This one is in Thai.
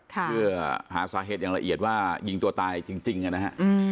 เพื่อหาสาเหตุอย่างละเอียดว่ายิงตัวตายจริงนะฮะ